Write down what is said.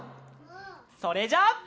それじゃあ。